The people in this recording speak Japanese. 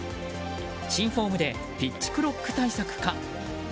新フォームでピッチクロック対策か。